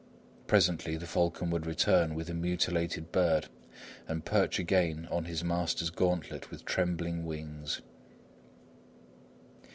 Presently the falcon would return with a mutilated bird, and perch again on his master's gauntlet with trembling wings.